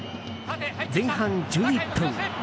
前半１１分。